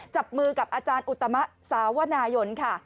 จับมือกับอาจารย์อุตมะสาวนายนค่ะ